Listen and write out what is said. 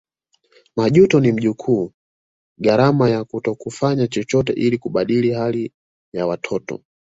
Majuto ni mjukuu gharama ya kutokufanya chochote ili kubadili hali ya watoto